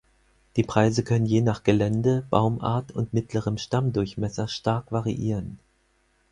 Die Preise können je nach Gelände, Baumart und mittlerem Stammdurchmesser stark variieren.